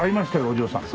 お嬢さん。